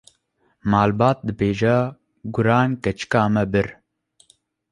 Malbat dibêje: Guran keçika me bir.